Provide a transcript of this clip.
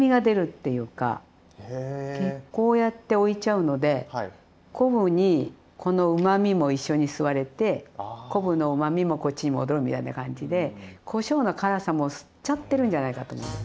こうやって置いちゃうので昆布にこのうまみも一緒に吸われて昆布のうまみもこっちに戻るみたいな感じでこしょうの辛さも吸っちゃってるんじゃないかと思うんだよね。